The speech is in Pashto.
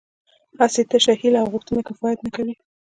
هسې تشه هیله او غوښتنه کفایت نه کوي